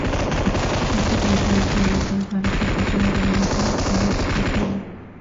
Esta función es muy útil para aplicaciones de velocidad adaptativa.